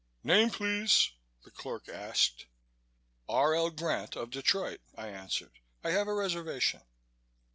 "Name, please," the clerk asked. "R. L. Grant of Detroit," I answered. "I have a reservation."